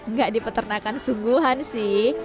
nggak di peternakan sungguhan sih